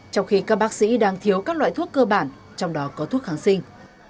trong khi các bác sĩ đang thiếu các loại thuốc cơ bản trong đó có thuốc kháng sinh